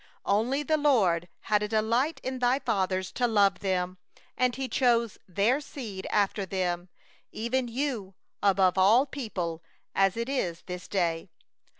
15Only the LORD had a delight in thy fathers to 10 love them, and He chose their seed after them, even you, above all peoples, as it is this day.